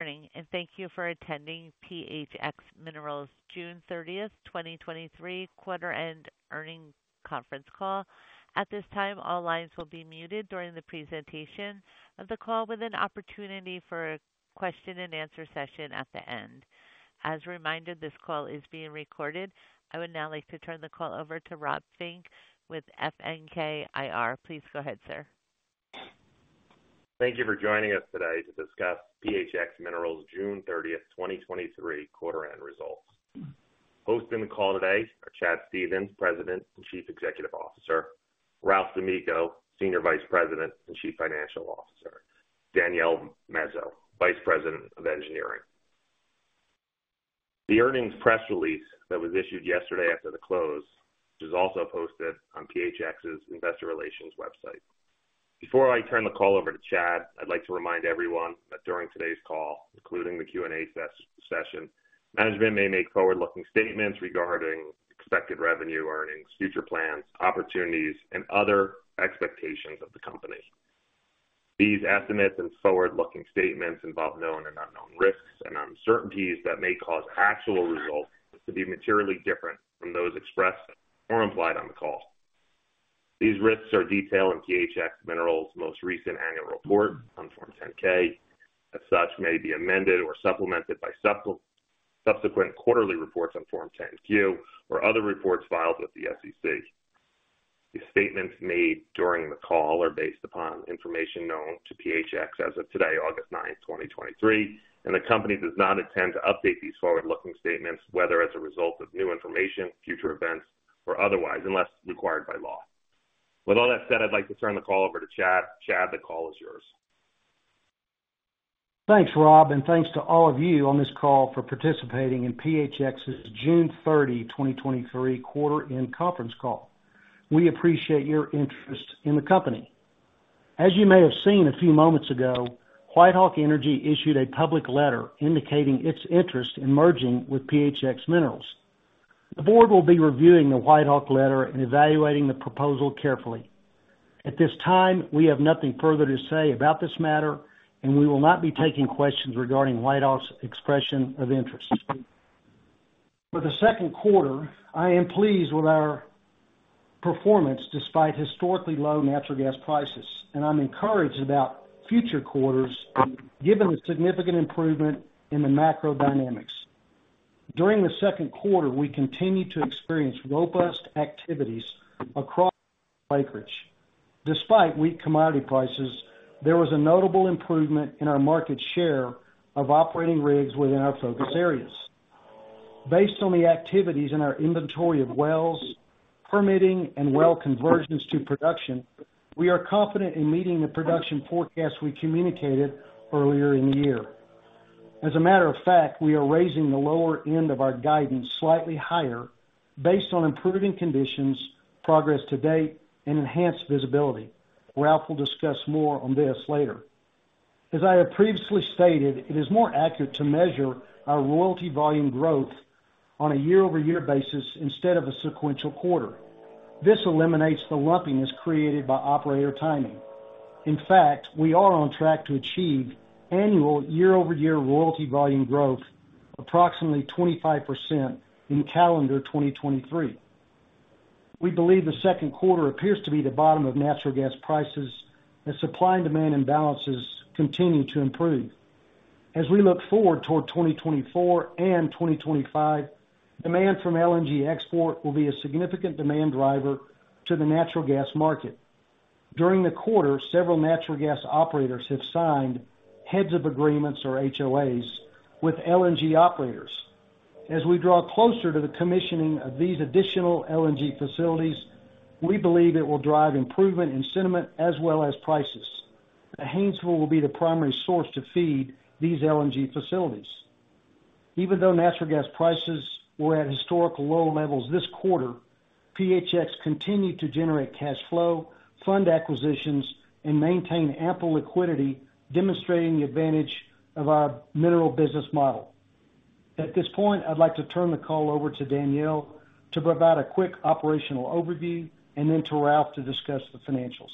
Good morning, and thank you for attending PHX Minerals' June 30th, 2023 quarter end earning conference call. At this time, all lines will be muted during the presentation of the call, with an opportunity for a question and-answer session at the end. As a reminder, this call is being recorded. I would now like to turn the call over to Rob Fink with FNK IR. Please go ahead, sir. Thank you for joining us today to discuss PHX Minerals' June 30th, 2023 quarter end results. Hosting the call today are Chad Stephens, President and Chief Executive Officer, Ralph D'Amico, Senior Vice President and Chief Financial Officer, Danielle Mezo, Vice President of Engineering. The earnings press release that was issued yesterday after the close, which is also posted on PHX's investor relations website. Before I turn the call over to Chad, I'd like to remind everyone that during today's call, including the Q&A session, management may make forward-looking statements regarding expected revenue, earnings, future plans, opportunities, and other expectations of the company. These estimates and forward-looking statements involve known and unknown risks and uncertainties that may cause actual results to be materially different from those expressed or implied on the call. These risks are detailed in PHX Minerals' most recent annual report on Form 10-K, as such, may be amended or supplemented by subsequent quarterly reports on Form 10-Q, or other reports filed with the SEC. The statements made during the call are based upon information known to PHX as of today, August 9th, 2023, the company does not intend to update these forward-looking statements, whether as a result of new information, future events, or otherwise, unless required by law. With all that said, I'd like to turn the call over to Chad. Chad, the call is yours. Thanks, Rob, and thanks to all of you on this call for participating in PHX's June 30th, 2023, quarter end conference call. We appreciate your interest in the company. As you may have seen a few moments ago, WhiteHawk Energy issued a public letter indicating its interest in merging with PHX Minerals. The board will be reviewing the WhiteHawk letter and evaluating the proposal carefully. At this time, we have nothing further to say about this matter, and we will not be taking questions regarding WhiteHawk's expression of interest. For the second quarter, I'm pleased with our performance, despite historically low natural gas prices, and I'm encouraged about future quarters, given the significant improvement in the macro dynamics. During the second quarter, we continued to experience robust activities across acreage. Despite weak commodity prices, there was a notable improvement in our market share of operating rigs within our focus areas. Based on the activities in our inventory of wells, permitting, and well conversions to production, we are confident in meeting the production forecast we communicated earlier in the year. As a matter of fact, we are raising the lower end of our guidance slightly higher based on improving conditions, progress to date, and enhanced visibility. Ralph will discuss more on this later. As I have previously stated, it is more accurate to measure our royalty volume growth on a year-over-year basis instead of a sequential quarter. This eliminates the lumpiness created by operator timing. In fact, we are on track to achieve annual year-over-year royalty volume growth approximately 25% in calendar 2023. We believe the second quarter appears to be the bottom of natural gas prices, as supply and demand imbalances continue to improve. As we look forward toward 2024 and 2025, demand from LNG export will be a significant demand driver to the natural gas market. During the quarter, several natural gas operators have signed Heads of Agreements, or HOAs, with LNG operators. As we draw closer to the commissioning of these additional LNG facilities, we believe it will drive improvement in sentiment as well as prices. The Haynesville will be the primary source to feed these LNG facilities. Even though natural gas prices were at historical low levels this quarter, PHX continued to generate cash flow, fund acquisitions, and maintain ample liquidity, demonstrating the advantage of our mineral business model. At this point, I'd like to turn the call over to Danielle to provide a quick operational overview and then to Ralph to discuss the financials.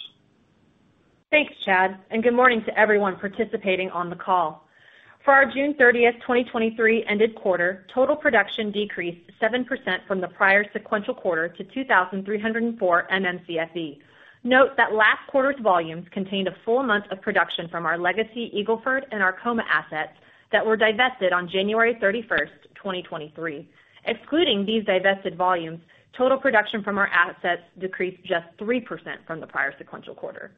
Thanks, Chad. Good morning to everyone participating on the call. For our June 30th, 2023 ended quarter, total production decreased 7% from the prior sequential quarter to 2,304 MMCFE. Note that last quarter's volumes contained a full month of production from our legacy Eagle Ford and Arkoma assets that were divested on January 31st, 2023. Excluding these divested volumes, total production from our assets decreased just 3% from the prior sequential quarter.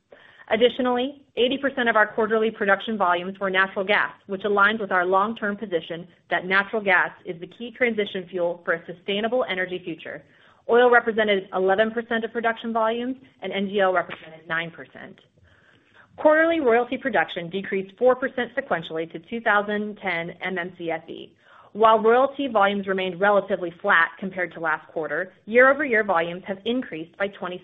Additionally, 80% of our quarterly production volumes were natural gas, which aligns with our long-term position that natural gas is the key transition fuel for a sustainable energy future. Oil represented 11% of production volumes and NGL represented 9%. Quarterly royalty production decreased 4% sequentially to 2,010 MMCFE. While royalty volumes remained relatively flat compared to last quarter, year-over-year volumes have increased by 26%.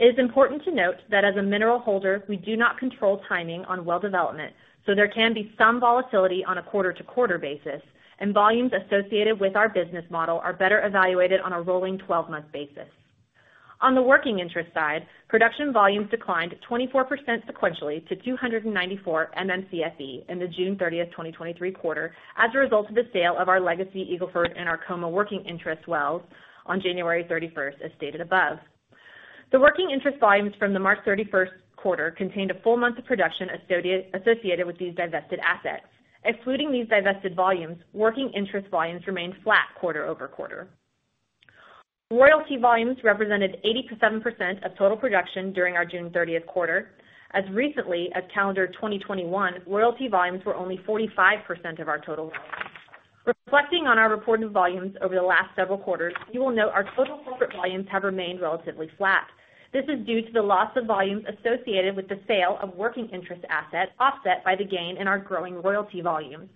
It is important to note that as a mineral holder, we do not control timing on well development, so there can be some volatility on a quarter-to-quarter basis, and volumes associated with our business model are better evaluated on a rolling 12-month basis. On the working interest side, production volumes declined 24% sequentially to 294 MMCFE in the June 30th, 2023 quarter as a result of the sale of our legacy Eagle Ford and Arkoma working interest wells on January 31st, as stated above. The working interest volumes from the March 31st quarter contained a full month of production associated with these divested assets. Excluding these divested volumes, working interest volumes remained flat quarter-over-quarter. Royalty volumes represented 87% of total production during our June 30th quarter. As recently as calendar 2021, royalty volumes were only 45% of our total volumes. Reflecting on our reported volumes over the last several quarters, you will note our total corporate volumes have remained relatively flat. This is due to the loss of volumes associated with the sale of working interest assets, offset by the gain in our growing royalty volumes.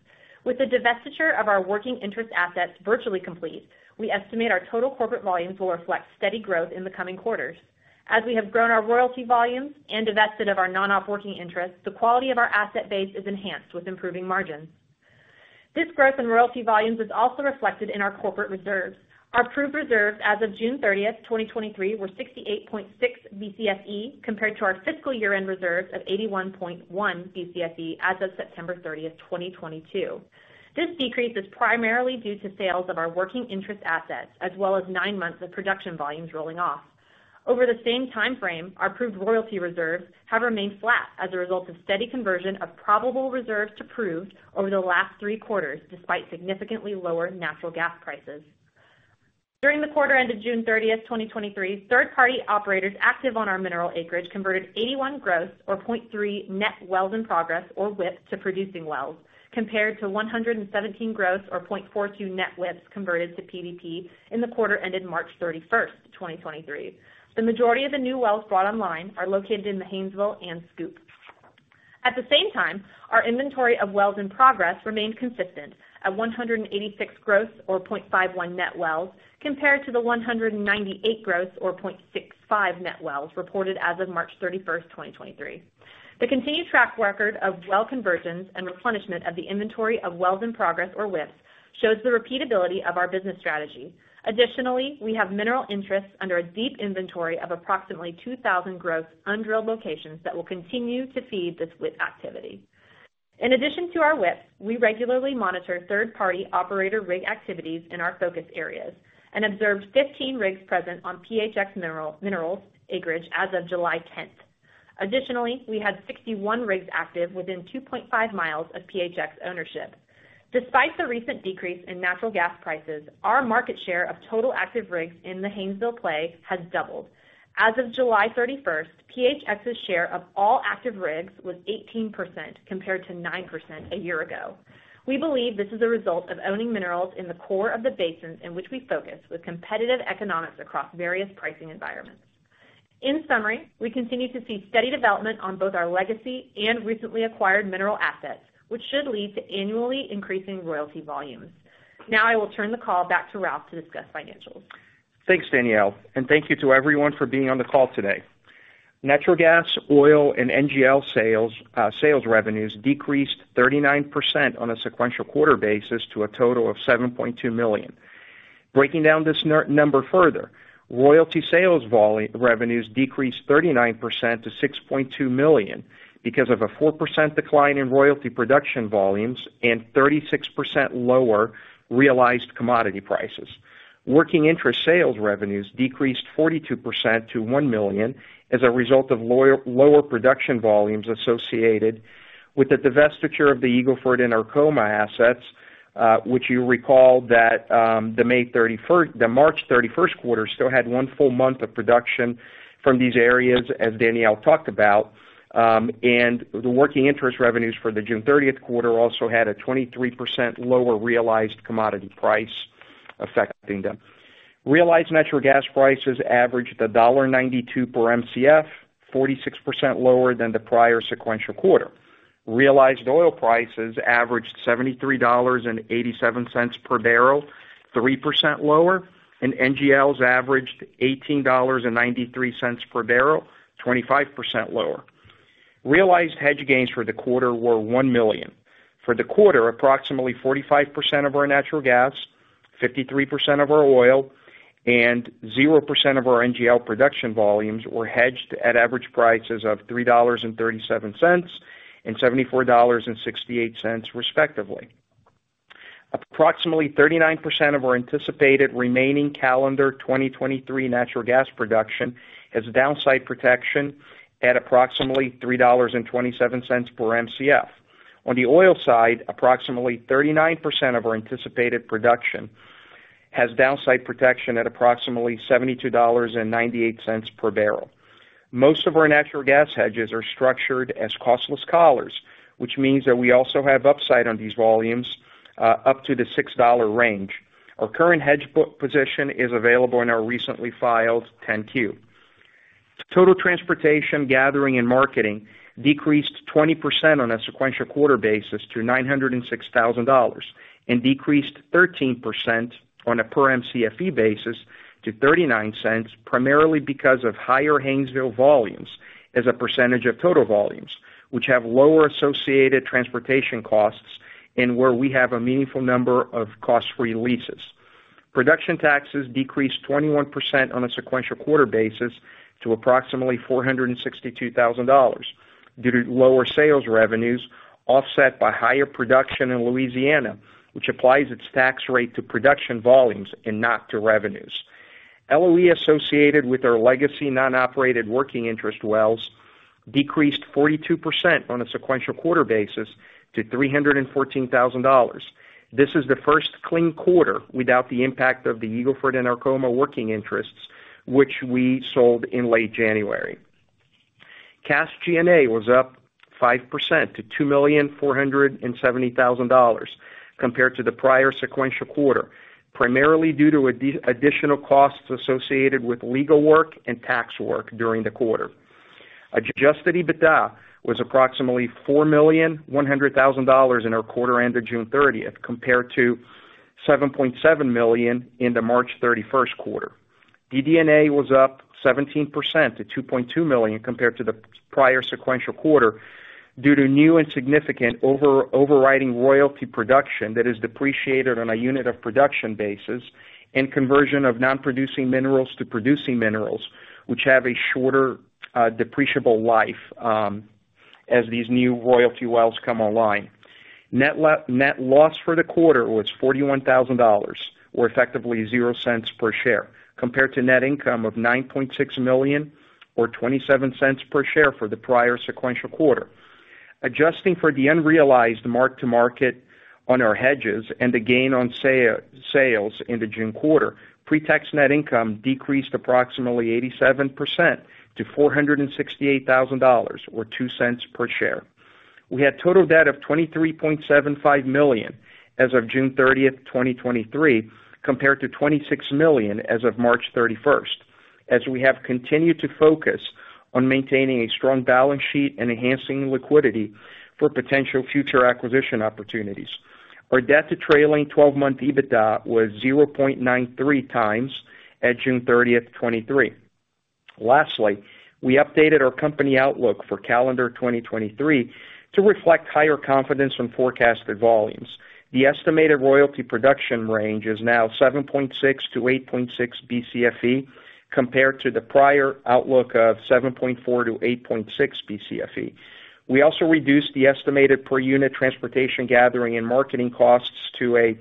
With the divestiture of our working interest assets virtually complete, we estimate our total corporate volumes will reflect steady growth in the coming quarters. As we have grown our royalty volumes and divested of our non-op working interest, the quality of our asset base is enhanced with improving margins. This growth in royalty volumes is also reflected in our corporate reserves. Our proved reserves as of June 30th, 2023, were 68.6 Bcfe, compared to our fiscal year-end reserves of 81.1 Bcfe as of September 30th, 2022. This decrease is primarily due to sales of our working interest assets, as well as 9 months of production volumes rolling off. Over the same time frame, our proved royalty reserves have remained flat as a result of steady conversion of probable reserves to proved over the last three quarters, despite significantly lower natural gas prices. During the quarter ended June 30th, 2023, third-party operators active on our mineral acreage converted 81 gross, or 0.3 net wells in progress, or WIP, to producing wells, compared to 117 gross, or 0.42 net WIPs converted to PDP in the quarter ended March 31st, 2023. The majority of the new wells brought online are located in the Haynesville and Scoop. At the same time, our inventory of wells in progress remained consistent at 186 gross, or 0.51 net wells, compared to the 198 gross, or 0.65 net wells reported as of March 31st, 2023. The continued track record of well conversions and replenishment of the inventory of wells in progress, or WIPs, shows the repeatability of our business strategy. Additionally, we have mineral interests under a deep inventory of approximately 2,000 gross undrilled locations that will continue to feed this WIP activity. In addition to our WIP, we regularly monitor third-party operator rig activities in our focus areas and observed 15 rigs present on PHX Minerals acreage as of July 10th. Additionally, we had 61 rigs active within 2.5 mi of PHX ownership. Despite the recent decrease in natural gas prices, our market share of total active rigs in the Haynesville Play has doubled. As of July 31st, PHX's share of all active rigs was 18%, compared to 9% a year ago. We believe this is a result of owning minerals in the core of the basins in which we focus, with competitive economics across various pricing environments. In summary, we continue to see steady development on both our legacy and recently acquired mineral assets, which should lead to annually increasing royalty volumes. I will turn the call back to Ralph to discuss financials. Thanks, Danielle. Thank you to everyone for being on the call today. Natural gas, oil, and NGL sales revenues decreased 39% on a sequential quarter basis to a total of $7.2 million. Breaking down this number further, royalty sales revenues decreased 39% to $6.2 million because of a 4% decline in royalty production volumes and 36% lower realized commodity prices. Working interest sales revenues decreased 42% to $1 million as a result of lower production volumes associated with the divestiture of the Eagle Ford and Arkoma assets, which you recall that the March 31st quarter still had 1 full month of production from these areas, as Danielle talked about. The working interest revenues for the June 30th quarter also had a 23% lower realized commodity price affecting them. Realized natural gas prices averaged $1.92 per MCF, 46% lower than the prior sequential quarter. Realized oil prices averaged $73.87 per barrel, 3% lower, and NGLs averaged $18.93 per barrel, 25% lower. Realized hedge gains for the quarter were $1 million. For the quarter, approximately 45% of our natural gas, 53% of our oil, and 0% of our NGL production volumes were hedged at average prices of $3.37, and $74.68, respectively. Approximately 39% of our anticipated remaining calendar 2023 natural gas production has downside protection at approximately $3.27 per MCF. On the oil side, approximately 39% of our anticipated production has downside protection at approximately $72.98 per barrel. Most of our natural gas hedges are structured as costless collars, which means that we also have upside on these volumes, up to the $6 range. Our current hedge book position is available in our recently filed 10-Q. Total transportation, gathering, and marketing decreased 20% on a sequential quarter basis to $906,000, and decreased 13% on a per MCFE basis to $0.39, primarily because of higher Haynesville volumes as a percentage of total volumes, which have lower associated transportation costs. Where we have a meaningful number of cost-free leases. Production taxes decreased 21% on a sequential quarter basis to approximately $462,000, due to lower sales revenues, offset by higher production in Louisiana, which applies its tax rate to production volumes and not to revenues. LOE associated with our legacy non-operated working interest wells decreased 42% on a sequential quarter basis to $314,000. This is the first clean quarter without the impact of the Eagle Ford and Arkoma working interests, which we sold in late January. Cash G&A was up 5% to $2,470,000 compared to the prior sequential quarter, primarily due to additional costs associated with legal work and tax work during the quarter. Adjusted EBITDA was approximately $4.1 million in our quarter ended June 30th, compared to $7.7 million in the March 31st quarter. DD&A was up 17% to $2.2 million compared to the prior sequential quarter, due to new and significant overriding royalty production that is depreciated on a unit of production basis and conversion of non-producing minerals to producing minerals, which have a shorter depreciable life, as these new royalty wells come online. Net loss for the quarter was $41,000, or effectively $0.00 per share, compared to net income of $9.6 million or $0.27 per share for the prior sequential quarter. Adjusting for the unrealized mark to market on our hedges and the gain on sale, sales in the June quarter, pre-tax net income decreased approximately 87% to $468,000 or $0.02 per share. We had total debt of $23.75 million as of June 30th, 2023, compared to $26 million as of March 31st, as we have continued to focus on maintaining a strong balance sheet and enhancing liquidity for potential future acquisition opportunities. Our debt to trailing 12 month EBITDA was 0.93x at June 30th, 2023. Lastly, we updated our company outlook for calendar 2023 to reflect higher confidence on forecasted volumes. The estimated royalty production range is now 7.6-8.6 Bcfe, compared to the prior outlook of 7.4-8.6 Bcfe. We also reduced the estimated per unit transportation, gathering, and marketing costs to a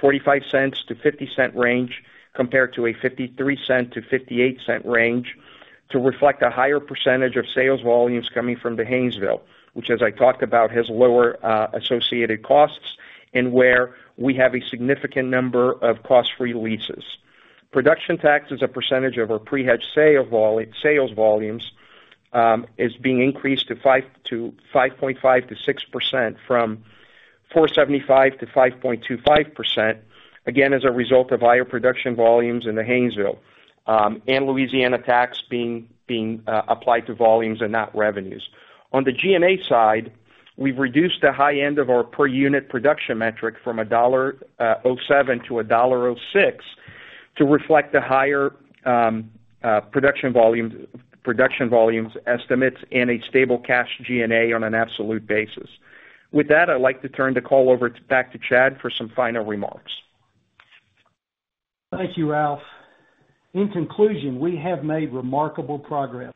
$0.45-$0.50 range, compared to a $0.53-$0.58 range, to reflect a higher percentage of sales volumes coming from the Haynesville, which, as I talked about, has lower associated costs and where we have a significant number of cost-free leases. Production tax as a percentage of our pre-hedge sales volumes is being increased to 5.5%-6% from 4.75%-5.25%, again, as a result of higher production volumes in the Haynesville and Louisiana tax being, being, applied to volumes and not revenues. On the G&A side, we've reduced the high end of our per unit production metric from $1.07-$1.06, to reflect the higher production volumes, production volumes estimates and a stable cash G&A on an absolute basis. With that, I'd like to turn the call over to, back to Chad for some final remarks. Thank you, Ralph. In conclusion, we have made remarkable progress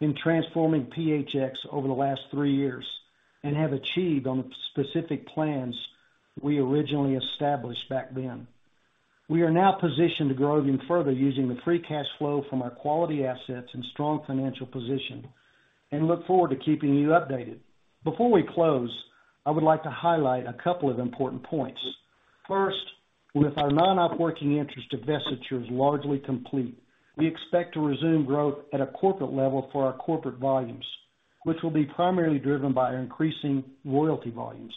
in transforming PHX over the last three years and have achieved on the specific plans we originally established back then. We are now positioned to grow even further using the free cash flow from our quality assets and strong financial position, and look forward to keeping you updated. Before we close, I would like to highlight a couple of important points. First, with our non-operating interest divestitures largely complete, we expect to resume growth at a corporate level for our corporate volumes, which will be primarily driven by our increasing royalty volumes.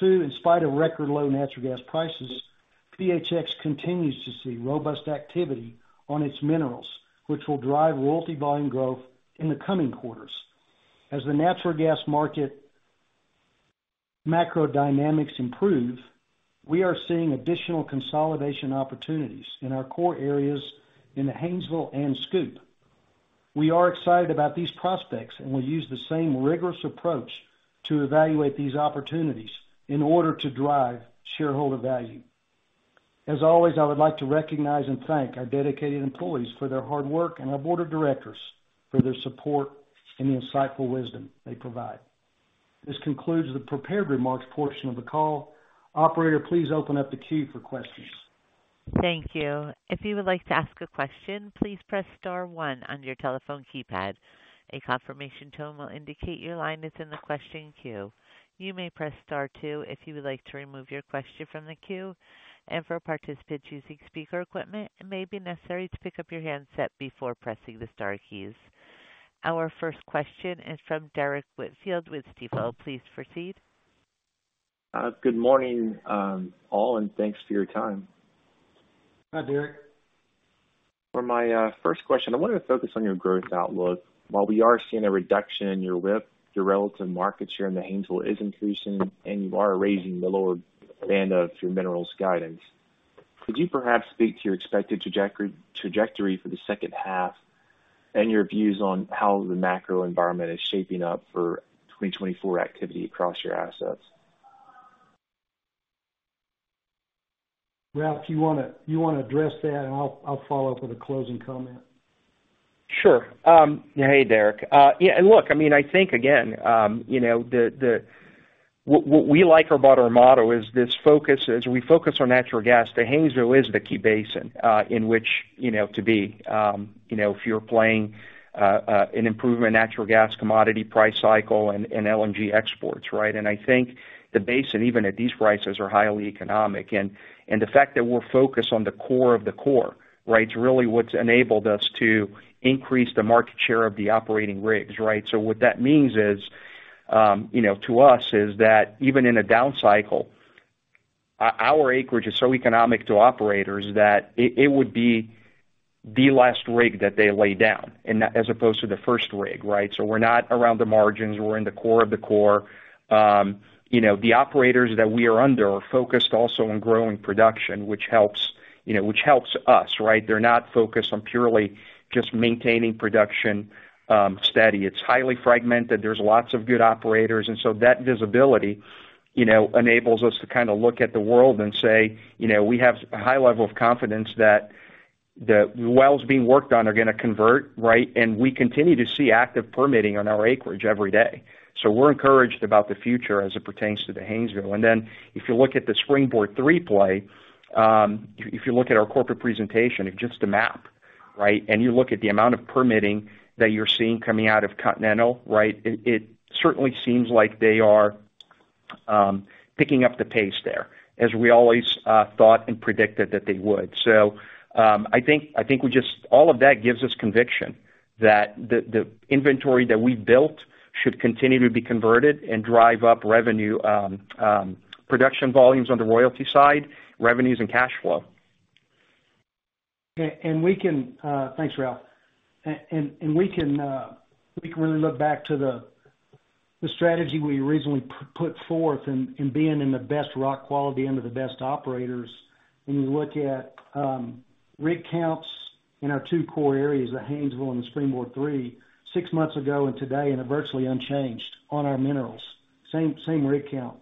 2, in spite of record low natural gas prices, PHX continues to see robust activity on its minerals, which will drive royalty volume growth in the coming quarters. As the natural gas market macro dynamics improve, we are seeing additional consolidation opportunities in our core areas in the Haynesville and SCOOP. We are excited about these prospects, and we'll use the same rigorous approach to evaluate these opportunities in order to drive shareholder value. As always, I would like to recognize and thank our dedicated employees for their hard work and our board of directors for their support and the insightful wisdom they provide. This concludes the prepared remarks portion of the call. Operator, please open up the queue for questions. Thank you. If you would like to ask a question, please press star one on your telephone keypad. A confirmation tone will indicate your line is in the question queue. You may press star two if you would like to remove your question from the queue. For participants using speaker equipment, it may be necessary to pick up your handset before pressing the star keys. Our first question is from Derrick Whitfield with Stifel. Please proceed. Good morning, all, and thanks for your time. Hi, Derek. For my first question, I wanted to focus on your growth outlook. While we are seeing a reduction in your WIP, your relative market share in the Haynesville is increasing and you are raising the lower end of your minerals guidance. Could you perhaps speak to your expected trajectory for the second half and your views on how the macro environment is shaping up for 2024 activity across your assets? Ralph, do you want to, you want to address that, and I'll, I'll follow up with a closing comment. Sure. Hey, Derek. Yeah, and look, I mean, I think again, you know, the, the, what, what we like about our model is this focus. As we focus on natural gas, the Haynesville is the key basin, in which, you know, to be, you know, if you're playing an improvement natural gas commodity price cycle and, and LNG exports, right? I think the basin, even at these prices, are highly economic. The fact that we're focused on the core of the core, right, is really what's enabled us to increase the market share of the operating rigs, right? What that means is, you know, to us, is that even in a down cycle, our, our acreage is so economic to operators that it, it would be the last rig that they lay down, and that as opposed to the first rig, right? We're not around the margins, we're in the core of the core. You know, the operators that we are under are focused also on growing production, which helps, you know, which helps us, right? They're not focused on purely just maintaining production, steady. It's highly fragmented. There's lots of good operators. That visibility, you know, enables us to kind of look at the world and say, you know, we have a high level of confidence that the wells being worked on are going to convert, right? We continue to see active permitting on our acreage every day. We're encouraged about the future as it pertains to the Haynesville. If you look at the SpringBoard III play, if you look at our corporate presentation, it's just a map, right? You look at the amount of permitting that you're seeing coming out of Continental, right? It, it certainly seems like they are picking up the pace there, as we always thought and predicted that they would. I think all of that gives us conviction that the inventory that we built should continue to be converted and drive up revenue, production volumes on the royalty side, revenues and cash flow. We can. Thanks, Ralph. We can really look back to the strategy we originally put forth in being in the best rock quality and of the best operators. When you look at rig counts in our two core areas, the Haynesville and the SpringBoard III, six months ago and today, and are virtually unchanged on our minerals. Same, same rig count.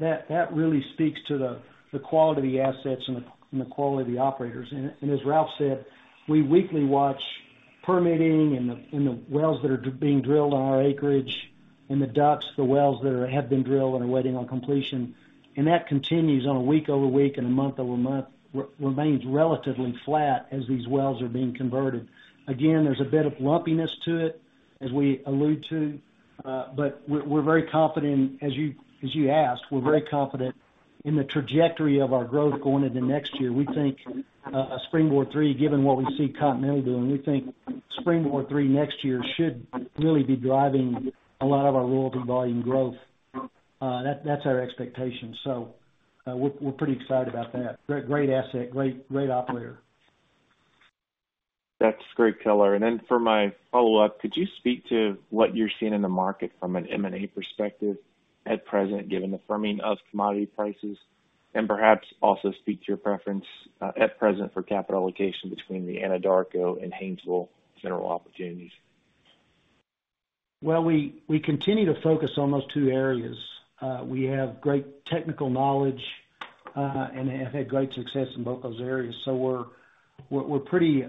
That, that really speaks to the quality of the assets and the quality of the operators. As Ralph said, we weekly watch permitting and the wells that are being drilled on our acreage and the DUCs, the wells that have been drilled and are waiting on completion. That continues on a week-over-week and a month-over-month, remains relatively flat as these wells are being converted. Again, there's a bit of lumpiness to it, as we allude to, but we're, we're very confident, as you, as you asked, we're very confident in the trajectory of our growth going into next year. We think SpringBoard III, given what we see Continental doing, we think SpringBoard III next year should really be driving a lot of our royalty volume growth. That's our expectation. We're, we're pretty excited about that. Great, great asset, great, great operator. That's great color. Then for my follow-up, could you speak to what you're seeing in the market from an M&A perspective at present, given the firming of commodity prices? Perhaps also speak to your preference at present for capital allocation between the Anadarko and Haynesville general opportunities. Well, we, we continue to focus on those two areas. We have great technical knowledge, and have had great success in both those areas. We're, we're, we're pretty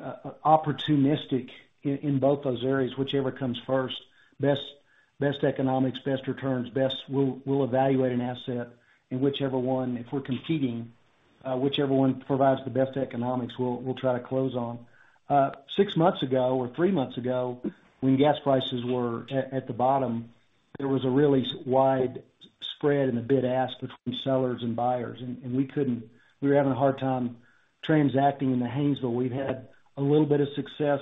opportunistic in, in both those areas, whichever comes first. Best, best economics, best returns, best. We'll, we'll evaluate an asset in whichever one, if we're competing, whichever one provides the best economics, we'll, we'll try to close on. 6 months ago or 3 months ago, when gas prices were at, at the bottom, there was a really wide spread in the bid ask between sellers and buyers, and we were having a hard time transacting in the Haynesville. We've had a little bit of success,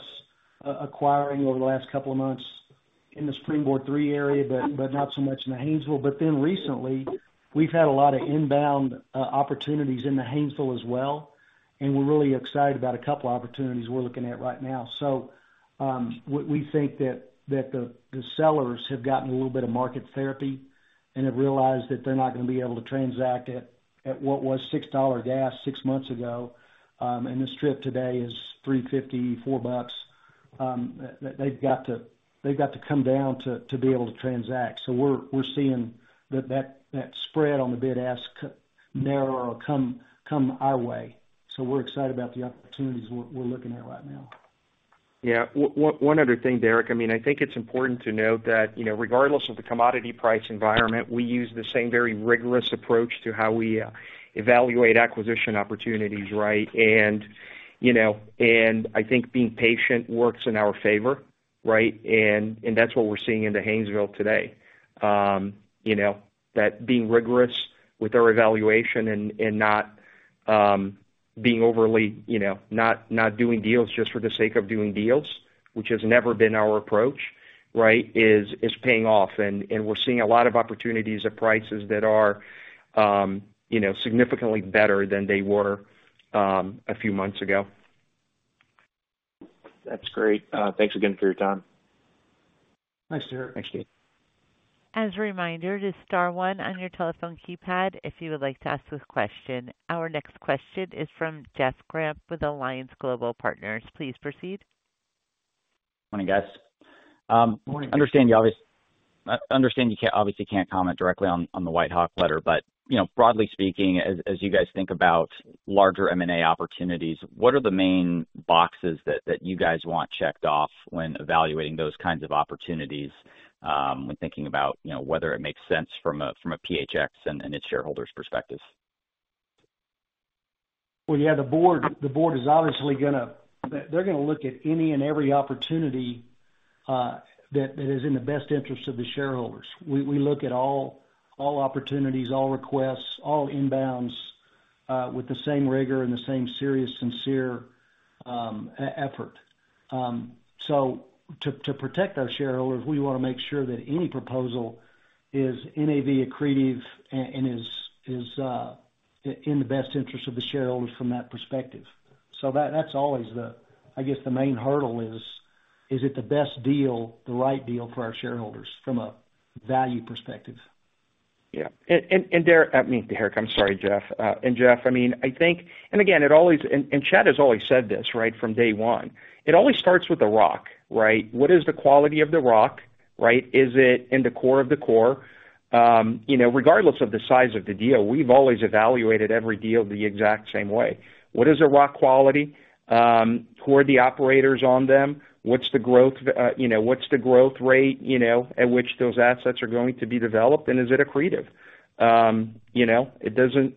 acquiring over the last couple of months in the SpringBoard III area, but not so much in the Haynesville. Then recently, we've had a lot of inbound opportunities in the Haynesville as well, and we're really excited about a couple opportunities we're looking at right now. What we think that, that the, the sellers have gotten a little bit of market therapy and have realized that they're not gonna be able to transact at, at what was $6 gas six months ago, and the strip today is $3.50-$4. They've got to, they've got to come down to, to be able to transact. We're, we're seeing that, that, that spread on the bid-ask narrower, come, come our way. We're excited about the opportunities we're, we're looking at right now. Yeah. One, one, one other thing, Derek. I mean, I think it's important to note that, you know, regardless of the commodity price environment, we use the same very rigorous approach to how we evaluate acquisition opportunities, right? You know, and I think being patient works in our favor, right? That's what we're seeing in the Haynesville today. You know, that being rigorous with our evaluation and, and not being overly, you know, not, not doing deals just for the sake of doing deals, which has never been our approach, right? Is, is paying off, and, and we're seeing a lot of opportunities at prices that are, you know, significantly better than they were a few months ago. That's great. Thanks again for your time. Nice to hear. Thanks, Derrick. As a reminder, just star one on your telephone keypad if you would like to ask this question. Our next question is from Jeff Grampp with Alliance Global Partners. Please proceed. Morning, guys. Morning. Understand you obviously can't comment directly on, on the WhiteHawk letter, but, you know, broadly speaking, as, as you guys think about larger M&A opportunities, what are the main boxes that, that you guys want checked off when evaluating those kinds of opportunities, when thinking about, you know, whether it makes sense from a, from a PHX and, and its shareholders' perspective? Well, yeah, the board, the board is obviously gonna. They're, they're gonna look at any and every opportunity that, that is in the best interest of the shareholders. We, we look at all, all opportunities, all requests, all inbounds with the same rigor and the same serious, sincere effort. To protect our shareholders, we want to make sure that any proposal is NAV accretive and, and is, is, in the best interest of the shareholders from that perspective. That, that's always the, I guess, the main hurdle is, is it the best deal, the right deal for our shareholders from a value perspective? Yeah. Derrick, I mean, Derrick, I'm sorry, Jeff. Jeff, I mean, I think, again, it always. Chad Stephens has always said this, right, from day one. It always starts with the rock, right? What is the quality of the rock, right? Is it in the core of the core? You know, regardless of the size of the deal, we've always evaluated every deal the exact same way. What is the rock quality? Who are the operators on them? What's the growth, you know, what's the growth rate, you know, at which those assets are going to be developed, and is it accretive? You know, it doesn't,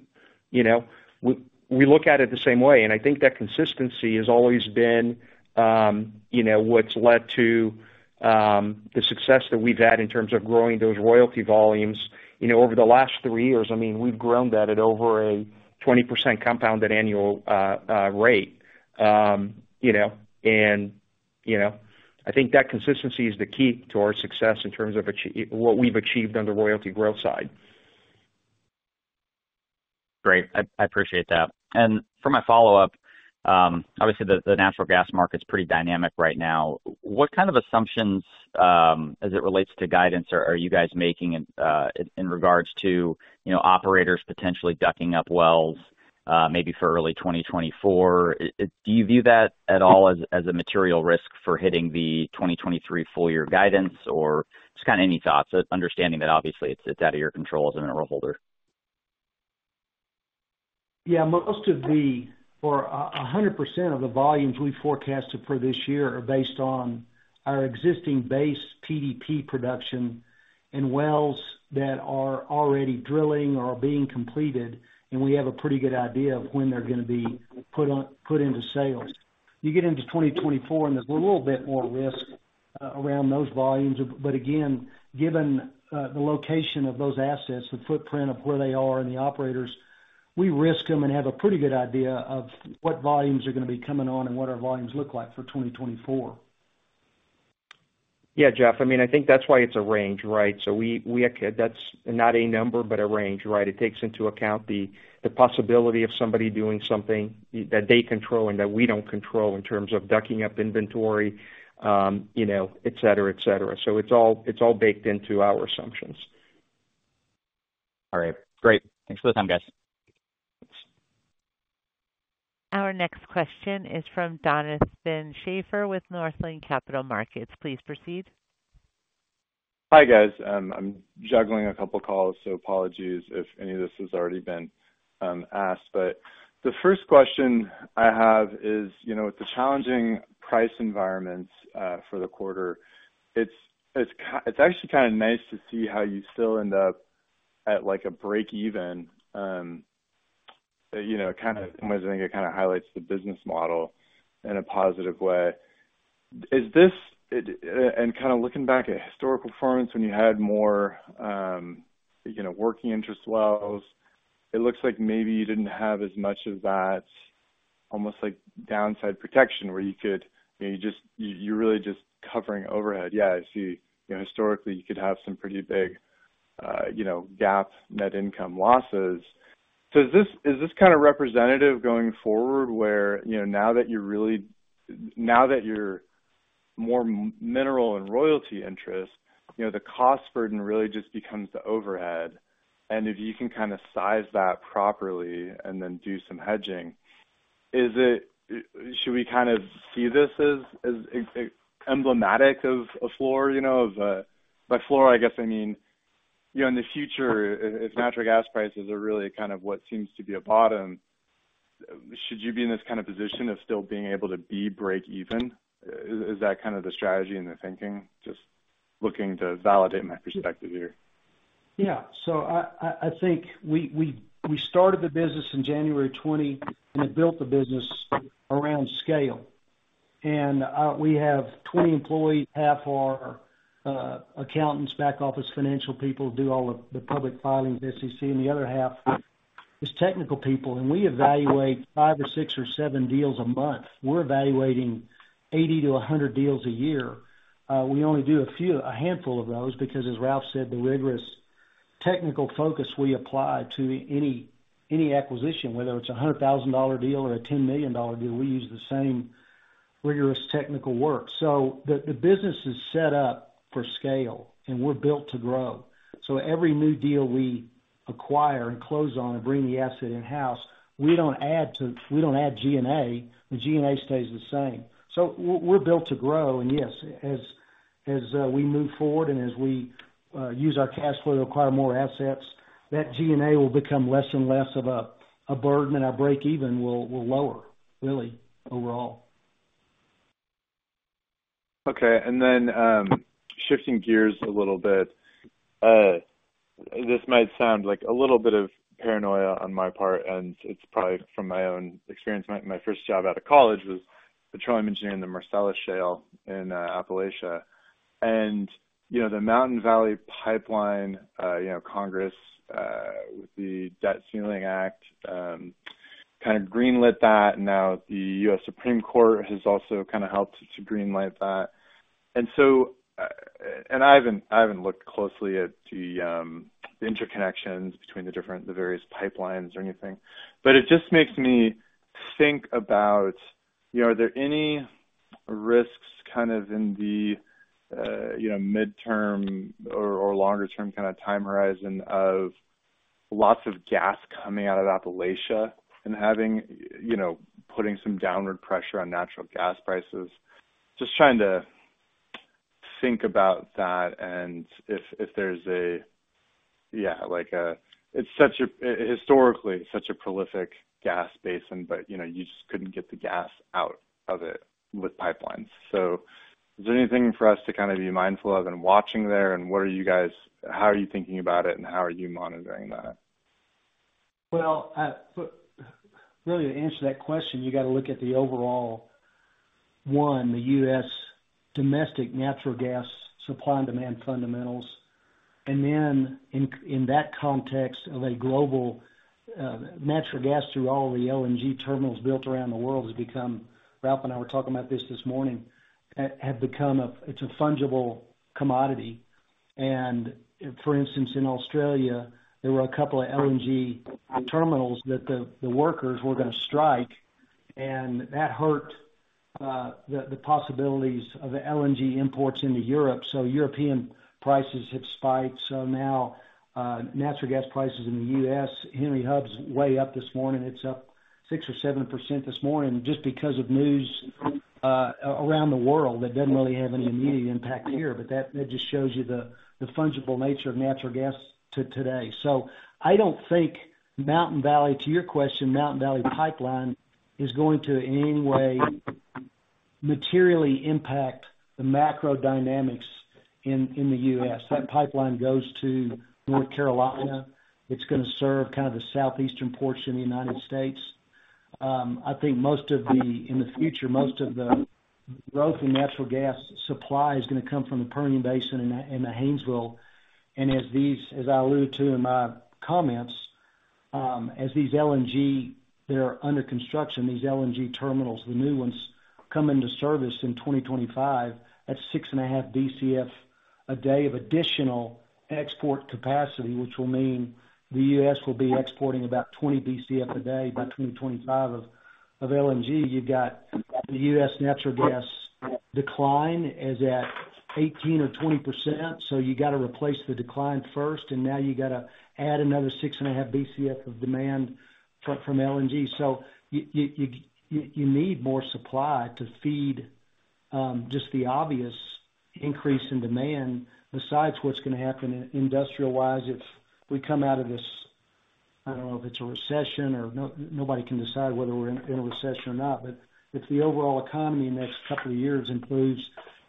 you know. We, we look at it the same way. I think that consistency has always been, you know, what's led to the success that we've had in terms of growing those royalty volumes. You know, over the last 3 years, I mean, we've grown that at over a 20% compounded annual rate. You know, I think that consistency is the key to our success in terms of what we've achieved on the royalty growth side. Great. I, I appreciate that. For my follow-up, obviously, the, the natural gas market's pretty dynamic right now. What kind of assumptions, as it relates to guidance, are, are you guys making in, in, in regards to, you know, operators potentially ducking up wells, maybe for early 2024? Do you view that at all as, as a material risk for hitting the 2023 full year guidance, or just kind of any thoughts, understanding that obviously it's, it's out of your control as a mineral holder? Yeah, most of the, or, 100% of the volumes we forecasted for this year are based on our existing base PDP production and wells that are already drilling or are being completed, and we have a pretty good idea of when they're gonna be put into sales. You get into 2024, and there's a little bit more risk around those volumes. Again, given the location of those assets, the footprint of where they are and the operators, we risk them and have a pretty good idea of what volumes are gonna be coming on and what our volumes look like for 2024. Yeah, Jeff, I mean, I think that's why it's a range, right? We That's not a number, but a range, right? It takes into account the, the possibility of somebody doing something that they control and that we don't control in terms of ducking up inventory, you know, etc. It's all, it's all baked into our assumptions. All right, great. Thanks for the time, guys. Our next question is from Donovan Schafer with Northland Capital Markets. Please proceed. Hi, guys. I'm juggling a couple calls, so apologies if any of this has already been asked. The first question I have is, you know, with the challenging price environments for the quarter, it's, it's actually kind of nice to see how you still end up at, like, a break even. You know, kind of, I think it kind of highlights the business model in a positive way. Is this—it, and kind of looking back at historical performance when you had more, you know, working interest wells, it looks like maybe you didn't have as much of that, almost like downside protection, where you could, you know, you, you're really just covering overhead. Yeah, I see. You know, historically, you could have some pretty big, you know, GAAP net income losses. Is this, is this kind of representative going forward, where, you know, now that you're really now that you're more mineral and royalty interest, you know, the cost burden really just becomes the overhead, and if you can kind of size that properly and then do some hedging, is it—should we kind of see this as, as emblematic of a floor, you know, of—by floor, I guess, I mean, you know, in the future, if natural gas prices are really kind of what seems to be a bottom, should you be in this kind of position of still being able to be break even? Is, is that kind of the strategy and the thinking? Just looking to validate my perspective here. Yeah. I, I, I think we, we, we started the business in January 2020, we built the business around scale. We have 20 employees. Half are accountants, back office financial people, do all of the public filings, SEC, and the other half is technical people. We evaluate 5 or 6 or 7 deals a month. We're evaluating 80-100 deals a year. We only do a few, a handful of those, because, as Ralph said, the rigorous technical focus we apply to any, any acquisition, whether it's a $100,000 deal or a $10 million deal, we use the same rigorous technical work. The business is set up for scale, we're built to grow. Every new deal we acquire and close on and bring the asset in-house, we don't add G&A, the G&A stays the same. We're built to grow, and yes, as, as we move forward and as we use our cash flow to acquire more assets, that G&A will become less and less of a burden, and our breakeven will, will lower, really, overall. Okay. Then, shifting gears a little bit, this might sound like a little bit of paranoia on my part, and it's probably from my own experience. My, my first job out of college was petroleum engineering in the Marcellus Shale in Appalachia. You know, the Mountain Valley Pipeline, you know, Congress, with the Fiscal Responsibility Act, kind of greenlit that. Now, the U.S. Supreme Court has also kind of helped to greenlight that. I haven't, I haven't looked closely at the interconnections between the different the various pipelines or anything, but it just makes me think about, you know, are there any risks kind of in the, you know, midterm or longer term kind of time horizon of lots of gas coming out of Appalachia and having, you know, putting some downward pressure on natural gas prices? Just trying to think about that and if there's a. Yeah, like, it's such a historically, such a prolific gas basin, but, you know, you just couldn't get the gas out of it with pipelines. Is there anything for us to kind of be mindful of and watching there, and what are you guys how are you thinking about it, and how are you monitoring that? Well, for really, to answer that question, you got to look at the overall, 1, the U.S. domestic natural gas supply and demand fundamentals, and then in, in that context of a global, natural gas through all the LNG terminals built around the world has become. Ralph and I were talking about this this morning, it's a fungible commodity. For instance, in Australia, there were a couple of LNG terminals that the workers were going to strike, and that hurt the possibilities of the LNG imports into Europe. European prices have spiked. Now, natural gas prices in the U.S., Henry Hub's way up this morning. It's up 6% or 7% this morning just because of news, around the world. That doesn't really have any immediate impact here, but that, that just shows you the, the fungible nature of natural gas today. I don't think Mountain Valley, to your question, Mountain Valley Pipeline is going to in any way materially impact the macro dynamics in, in the U.S. That pipeline goes to North Carolina. It's going to serve kind of the southeastern portion of the United States. I think in the future, most of the growth in natural gas supply is going to come from the Permian Basin and the, and the Haynesville. As these, as I alluded to in my comments, as these LNG that are under construction, these LNG terminals, the new ones, come into service in 2025 at 6.5 BCF a day of additional export capacity, which will mean the U.S. will be exporting about 20 BCF a day by 2025 of, of LNG. You've got the U.S. natural gas decline is at 18% or 20%, so you got to replace the decline first, and now you got to add another 6.5 BCF of demand from, from LNG. You need more supply to feed just the obvious increase in demand, besides what's going to happen industrial-wise, if we come out of this, I don't know if it's a recession or nobody can decide whether we're in a recession or not, but if the overall economy in the next couple of years improves,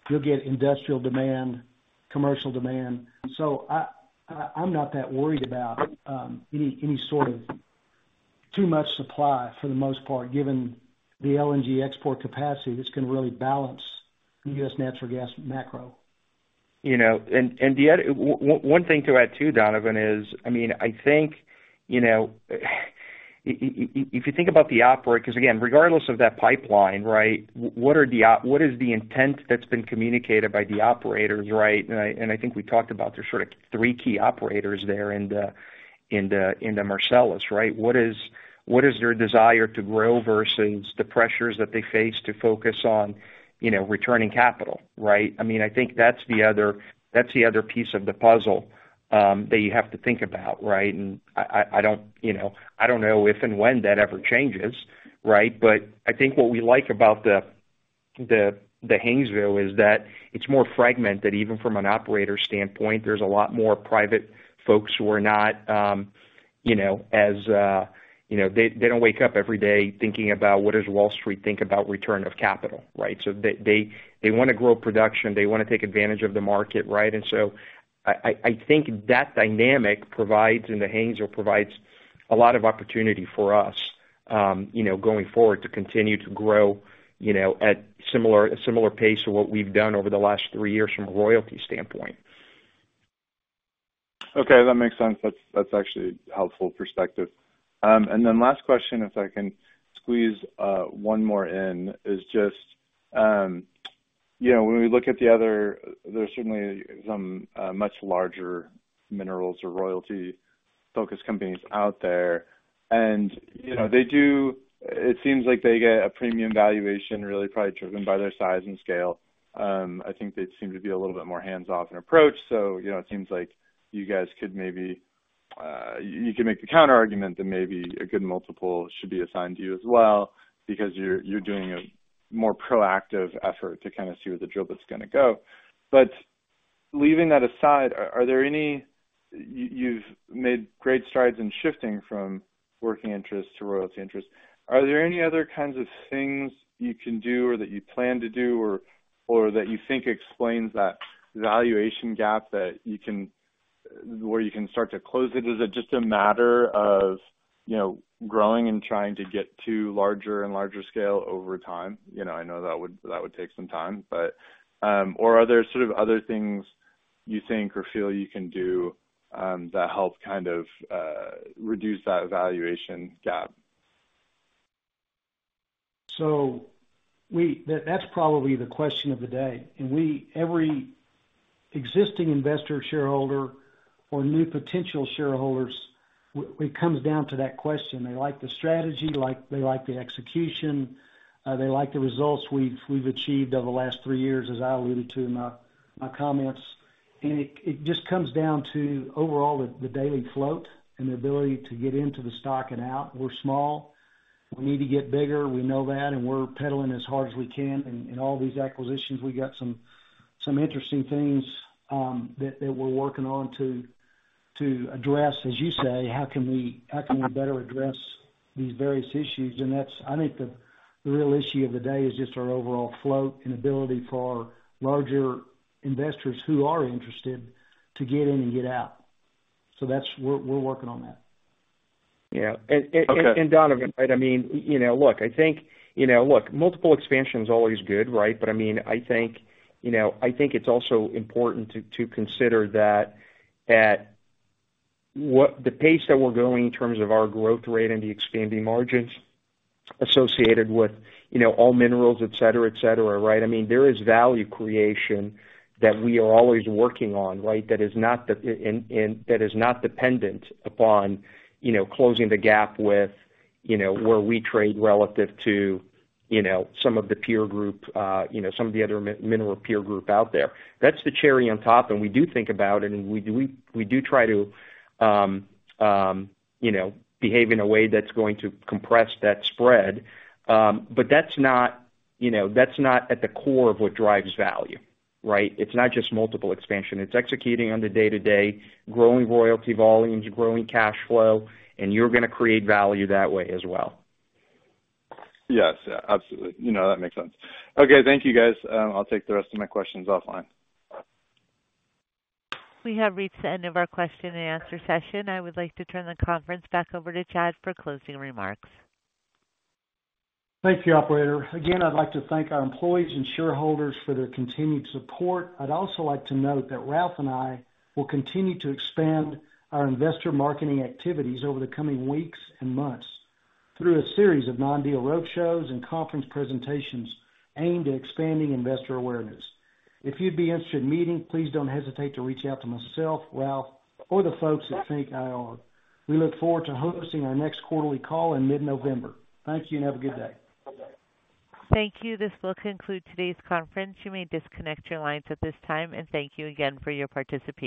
you'll get industrial demand, commercial demand. I'm not that worried about any sort of too much supply for the most part, given the LNG export capacity that's going to really balance the U.S. natural gas macro. You know, the other—one thing to add, too, Donovan, is, I mean, I think, you know, if you think about the opera—because, again, regardless of that pipeline, right? What is the intent that's been communicated by the operators, right? I think we talked about there's sort of 3 key operators there in the, in the, in the Marcellus, right? What is, what is their desire to grow versus the pressures that they face to focus on, you know, returning capital, right? I mean, I think that's the other, that's the other piece of the puzzle that you have to think about, right? I don't, you know, I don't know if and when that ever changes, right? I think what we like about the, the, the Haynesville is that it's more fragmented, even from an operator standpoint. There's a lot more private folks who are not, you know, as—you know, they, they don't wake up every day thinking about: What does Wall Street think about return of capital, right? They, they, they want to grow production, they want to take advantage of the market, right? I think that dynamic provides, in the Haynesville, provides a lot of opportunity for us, you know, going forward to continue to grow, you know, at similar, a similar pace to what we've done over the last three years from a royalty standpoint. Okay, that makes sense. That's, that's actually a helpful perspective. Then last question, if I can squeeze one more in, when we look at the other, there's certainly some much larger minerals or royalty-focused companies out there, and, you know, it seems like they get a premium valuation, really, probably driven by their size and scale. I think they seem to be a little bit more hands-off in approach. You know, it seems like you guys could maybe, you can make the counterargument that maybe a good multiple should be assigned to you as well, because you're, you're doing a more proactive effort to kind of see where the drill bit's gonna go. Leaving that aside, are there any. You've made great strides in shifting from working interest to royalty interest. Are there any other kinds of things you can do or that you plan to do, or that you think explains that valuation gap, where you can start to close it? Is it just a matter of, you know, growing and trying to get to larger and larger scale over time? You know, I know that would, that would take some time, but—or are there sort of other things you think or feel you can do, that help kind of, reduce that valuation gap? That, that's probably the question of the day. We, every existing investor, shareholder, or new potential shareholders, it comes down to that question. They like the strategy, they like the execution, they like the results we've, we've achieved over the last 3 years, as I alluded to in my, my comments. It, it just comes down to, overall, the, the daily float and the ability to get into the stock and out. We're small. We need to get bigger. We know that, and we're pedaling as hard as we can in, in all these acquisitions. We've got some, some interesting things that, that we're working on to, to address, as you say, how can we, how can we better address these various issues? That's, I think, the, the real issue of the day, is just our overall float and ability for larger investors who are interested to get in and get out. That's, we're, we're working on that. Yeah. Okay. Donovan, right, I mean, you know, look, I think, you know, look, multiple expansion is always good, right? I mean, I think, you know, I think it's also important to, to consider that at the pace that we're going in terms of our growth rate and the expanding margins associated with, you know, all minerals, etc., right? I mean, there is value creation that we are always working on, right? That is not and, and that is not dependent upon, you know, closing the gap with, you know, where we trade relative to, you know, some of the peer group, you know, some of the other mineral peer group out there. That's the cherry on top, we do think about it, we do, we do try to, you know, behave in a way that's going to compress that spread. That's not, you know, that's not at the core of what drives value, right? It's not just multiple expansion. It's executing on the day-to-day, growing royalty volumes, growing cash flow, you're gonna create value that way as well. Yes, absolutely. You know, that makes sense. Okay, thank you, guys. I'll take the rest of my questions offline. We have reached the end of our question and answer session. I would like to turn the conference back over to Chad for closing remarks. Thank you, operator. Again, I'd like to thank our employees and shareholders for their continued support. I'd also like to note that Ralph and I will continue to expand our investor marketing activities over the coming weeks and months through a series of non-deal roadshows and conference presentations aimed at expanding investor awareness. If you'd be interested in meeting, please don't hesitate to reach out to myself, Ralph, or the folks at FNK IR. We look forward to hosting our next quarterly call in mid-November. Thank you, and have a good day. Thank you. This will conclude today's conference. You may disconnect your lines at this time, and thank you again for your participation.